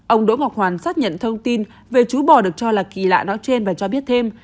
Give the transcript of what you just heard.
ông đỗ ngọc hoàn xác nhận thông tin về chú bò được cho là kỳ lạ nói trên và cho biết thêm